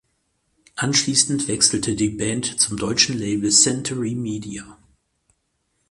Anschließend wechselte die Band zum deutschen Label Century Media.